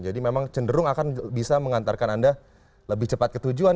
jadi memang cenderung akan bisa mengantarkan anda lebih cepat ke tujuan